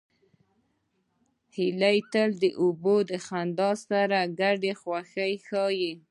هیلۍ تل د اوبو د خندا سره ګډه خوښي ښيي